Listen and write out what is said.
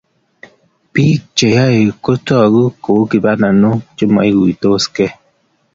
Bik che yoei kotogu kou kibananok chemaikuitoskei